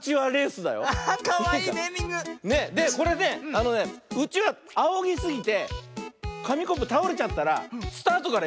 あのねうちわあおぎすぎてかみコップたおれちゃったらスタートからやりなおしね。